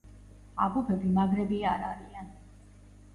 აბუბები მაგრები არ არიან